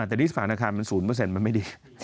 แต่ที่สถานอาคารมัน๐มันไม่ดี